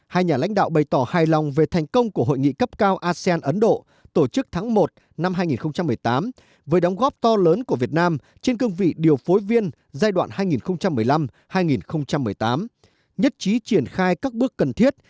hai nhà lãnh đạo bày tỏ hài lòng về thành công của hội nghị cấp cao asean ấn độ tổ chức tháng một năm hai nghìn một mươi tám với đóng góp to lớn của việt nam trên cương vị điều phối viên giai đoạn hai nghìn một mươi năm hai nghìn một mươi tám nhất trí triển khai các bước cần thiết